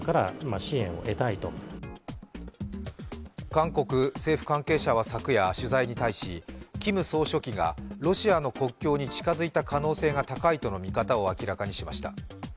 韓国政府関係者は昨夜、取材に対しキム総書記がロシアの国境に近づいた可能性が高いとの見方を明らかにしました。